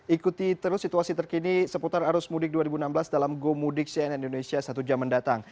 ikuti terus situasi terkini seputar arus mudik dua ribu enam belas dalam gomudik cnn indonesia satu jam mendatang